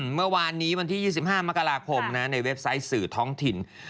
เมื่อวานนี้วันที่๒๕มกราคมในเว็บไซต์สื่อท้องถิ่น